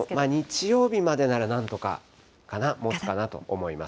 日曜日までならなんとかもつかなと思います。